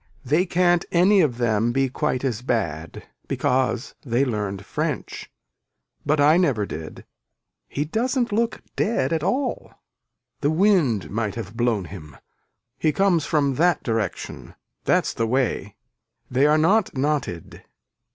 They can't any of them be quite as bad because they learned french but I never did. He doesn't look dead at all. The wind might have blown him. He comes from that direction . That's the way. They are not knotted.